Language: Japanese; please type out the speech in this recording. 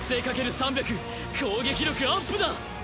３００攻撃力アップだ！